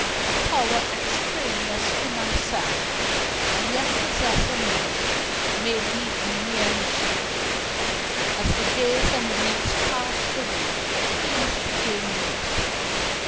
A power extraneous to myself, and yet possessing me, made me a mere machine. As the days and weeks passed away things became worse.